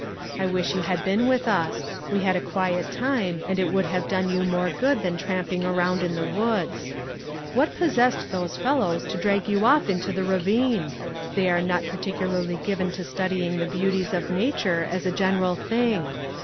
I wish you had been with us ; we had a quiet time, and it would have done you more good than tramping around in the woods. What possessed those fellbws to drag 3rou off into the ravine ? They are not particularly given to studying the beauties of nature, as a general thing.